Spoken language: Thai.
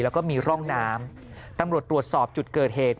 แล้วก็มีร่องน้ำตำรวจตรวจสอบจุดเกิดเหตุ